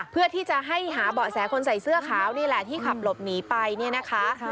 เพื่อที่จะให้หาเบาะแสคนใส่เสื้อขาวนี่แหละที่ขับหลบหนีไปเนี่ยนะคะ